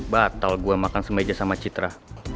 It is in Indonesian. batal gue makan semeja sama citra